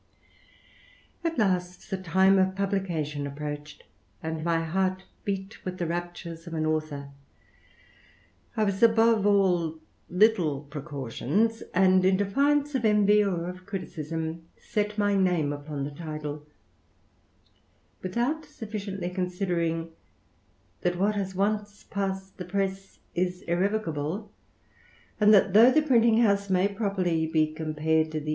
At last the time of publication approached, and my heart heat with the raptures of an author. I was above all little precautions, and in defiance of envy or of criticism, set my *^e upon the title, without sufficiently considering, that what has once passed the press is irrevocable, and that ^ough the printing house may properly be compared to the * Note IV», Appendix. 32 THE RAMBLER.